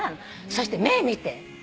そして目見て。